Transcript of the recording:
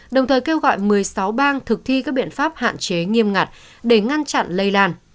đồng thời kêu gọi một mươi sáu bang thực thi các biện pháp hạn chế nghiêm ngặt để ngăn chặn lây lan